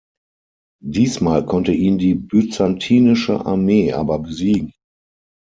Diesmal konnte ihn die Byzantinische Armee aber besiegen.